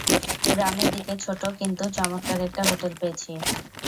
গ্রামের দিকে ছোট কিন্তু চমৎকার একটা হোটেল পেয়েছি।